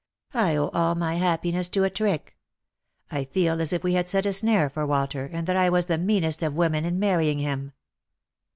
I owe all my happiness to a trick. I feel as if we had set a snare for Walter, and that I was the meanest of women in marrying him."